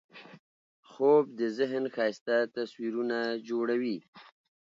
خوب د ذهن ښایسته تصویرونه جوړوي